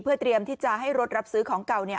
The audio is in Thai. เตรียมที่จะให้รถรับซื้อของเก่า